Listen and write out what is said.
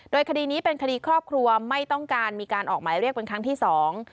โดยคดีนี้เป็นคดีครอบครัวไม่ต้องการมีการออกหมายเรียกเป็นครั้งที่สอง